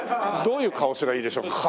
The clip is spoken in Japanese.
どういう顔すればいいでしょう？